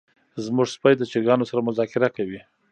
زمونږ سپی د چرګانو سره مذاکره کوي.